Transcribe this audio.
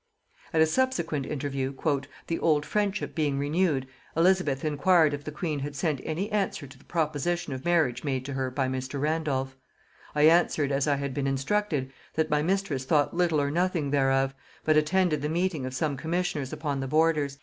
At a subsequent interview, "the old friendship being renewed, Elizabeth inquired if the queen had sent any answer to the proposition of marriage made to her by Mr. Randolph. I answered, as I had been instructed, that my mistress thought little or nothing thereof, but attended the meeting of some commissioners upon the borders...